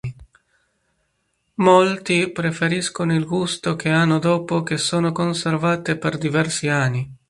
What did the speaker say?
Molti preferiscono il gusto che hanno dopo che sono conservate per diversi anni.